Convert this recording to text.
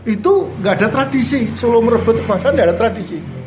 itu tidak ada tradisi